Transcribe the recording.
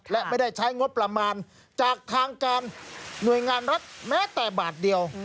และไม่ได้ใช้งบประมาณจากทางการหน่วยงานรัฐแม้แต่บาทเดียว